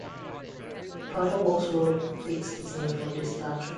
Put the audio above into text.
Powder Works Road takes its name from this factory.